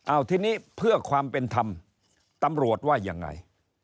เอาทีนี้เพื่อความเป็นธรรมตำรวจว่ายังไง